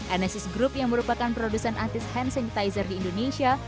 enesis group yang merupakan produsen antis hand sanitizer di indonesia